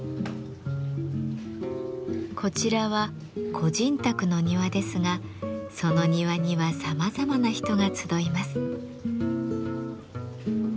こちらは個人宅の庭ですがその庭にはさまざまな人が集います。